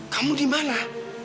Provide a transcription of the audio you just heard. kamu di mana